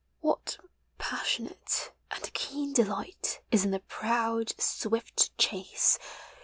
153 What passionate And keen delight is in the proud swift chase!